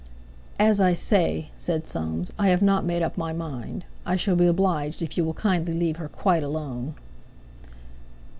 "As I say," said Soames, "I have not made up my mind. I shall be obliged if you will kindly leave her quite alone."